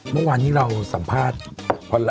เมื่อวานนี้เราสัมภาษณ์